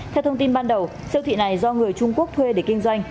theo thông tin ban đầu siêu thị này do người trung quốc thuê để kinh doanh